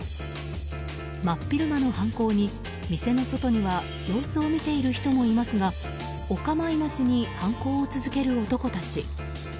真っ昼間の犯行に、店の外には様子を見ている人もいますがお構いなしに犯行を続ける男たち。